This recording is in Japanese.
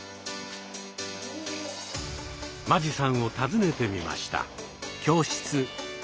間地さんを訪ねてみました。